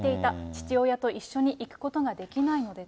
父親と一緒に行くことができないので。